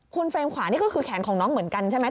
คุณเฟรมขวานี่ก็คือแขนของน้องเหมือนกันใช่ไหม